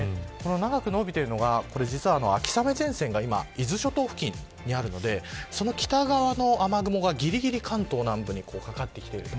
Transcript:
長くのびているのが、秋雨前線が伊豆諸島付近にあるのでその北側の雨雲がぎりぎり関東南部にかかっています。